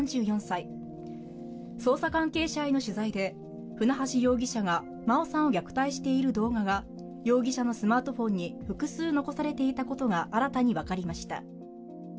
３４歳、捜査関係者への取材で、船橋容疑者が、真愛さんを虐待している動画が容疑者のスマートフォンに複数残されていたことが新たに分かりました。